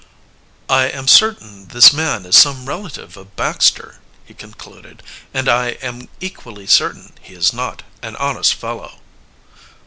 "I am certain this man is some relative of Baxter," he concluded. "And I am equally certain he is not an honest fellow."